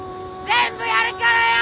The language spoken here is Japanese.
全部やるからよ！